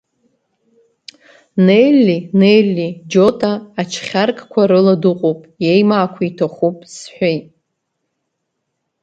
Нелли, Нелли, Џьота ачхьаркқәа рыла дыҟоуп, иеимаақәа иҭахуп, – сҳәеит.